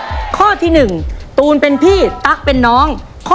แล้ววันนี้ผมมีสิ่งหนึ่งนะครับเป็นตัวแทนกำลังใจจากผมเล็กน้อยครับ